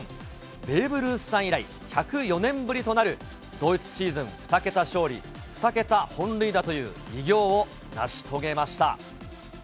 ベーブ・ルースさん以来、１０４年ぶりとなる同一シーズン２桁勝利２桁本塁打という偉業を成し遂げました。